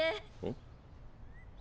ん？